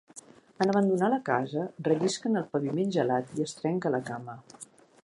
En abandonar la casa, rellisca en el paviment gelat i es trenca la cama.